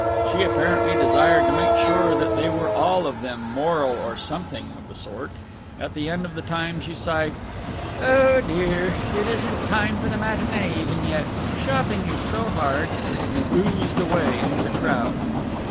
She apparently desired to make sure that they were all of them moral or something of the sort. At the end of the time she sighed, "Oh dear, it isn't time for the matinée even yet. Shopping is so hard." And oozed away into the crowd.